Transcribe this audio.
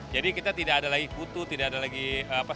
jadi kita tidak ada lagi kutu tidak ada lagi kutu